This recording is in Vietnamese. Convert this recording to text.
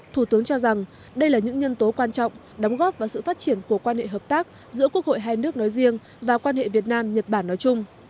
thủ tướng cho rằng đây là những nhân tố quan trọng đóng góp vào sự phát triển của quan hệ hợp tác giữa quốc hội hai nước nói riêng và quan hệ việt nam nhật bản nói chung